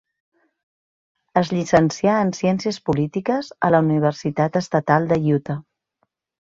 Es llicencià en ciències polítiques a la Universitat Estatal de Utah.